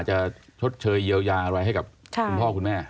ชดเชยเยียวยาอะไรให้กับคุณพ่อคุณแม่